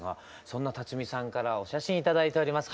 そんな辰巳さんからお写真頂いております